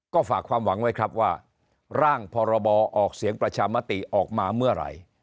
ก็ฝากความหวังไว้ครับว่าร่างพรบออกเสียงประชามติออกมาเมื่อไหร่